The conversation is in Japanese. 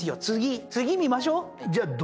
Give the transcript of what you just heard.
次見ましょう。